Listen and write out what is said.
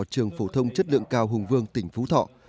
trường phổ thông chất lượng cao hùng vương tỉnh phú thọ